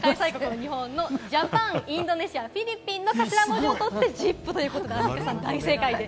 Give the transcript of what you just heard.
開催国の日本のジャパン、インドネシア、フィリピンの頭文字をとってＪＩＰということなんです。